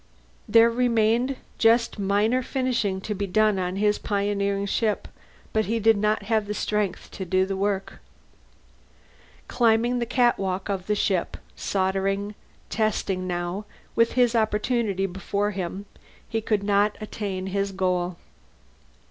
There remained just minor finishing to be done on his pioneering ship but he did not have the strength to do the work. Climbing the catwalk of the ship, soldering, testing now, with his opportunity before him, he could not attain his goal.